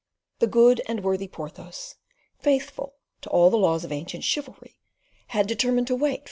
The good and worthy Porthos, faithful to all the laws of ancient chivalry, had determined to wait for M.